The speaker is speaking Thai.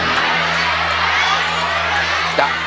ถ้าไม่ชัวร์ใช้ก่อนนะครับ